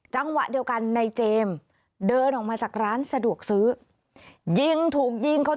จังหวะเดียวกันนายเจมส์เดินออกมา